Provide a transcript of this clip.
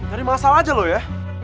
ada masalah aja loh ya